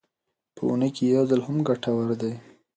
په اونۍ کې یو ځل هم ګټور دی.